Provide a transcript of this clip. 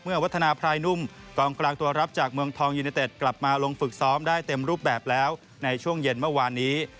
วัฒนาพรายนุ่มกองกลางตัวรับจากเมืองทองยูเนเต็ดกลับมาลงฝึกซ้อมได้เต็มรูปแบบแล้วในช่วงเย็นเมื่อวานนี้